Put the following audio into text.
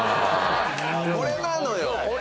これなのよ